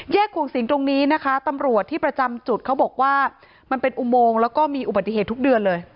ขวงสิงห์ตรงนี้นะคะตำรวจที่ประจำจุดเขาบอกว่ามันเป็นอุโมงแล้วก็มีอุบัติเหตุทุกเดือนเลย